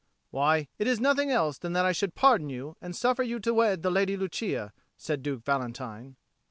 "Why, it is nothing else than that I should pardon you, and suffer you to wed the Lady Lucia," said Duke Valentine.